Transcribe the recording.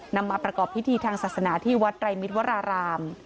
นำมาประกอบพิธีทางศาสนาที่วัดไตรมิตรวราราม